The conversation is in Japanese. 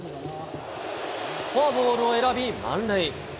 フォアボールを選び満塁。